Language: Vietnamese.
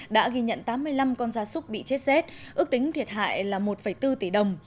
đã ghi nhận tám mươi năm con da súc bị chết rét ước tính thiệt hại là một bốn tỷ đồng